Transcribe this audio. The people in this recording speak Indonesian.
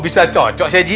ya cocok sih ji